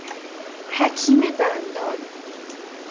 حکیم دندان